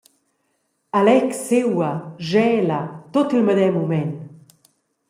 Alex siua, schela, tut il medem mument.